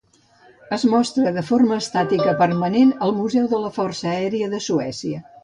Es mostra de forma estàtica permanent al Museu de la Força Aèria de Suècia.